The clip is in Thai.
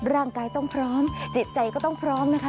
ร่างกายต้องพร้อมจิตใจก็ต้องพร้อมนะคะ